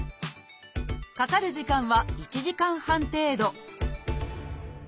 かかる時間は１時間半程度